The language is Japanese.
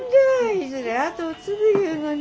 いずれ後を継ぐいうのに。